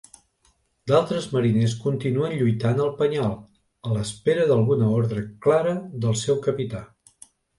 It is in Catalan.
D'altres mariners continuen lluitant al penyal, a l'espera d'alguna ordre clara del seu capità.